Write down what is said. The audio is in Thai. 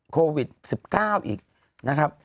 โควิด๑๙อีกนะครับ